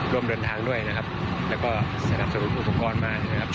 รวมเดินทางด้วยนะครับ